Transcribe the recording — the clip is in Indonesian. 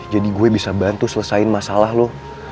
jadi gue bisa bantu selesain masalah lo